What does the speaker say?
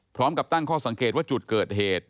พร้อมกับตั้งข้อสังเกตว่าจุดเกิดเหตุ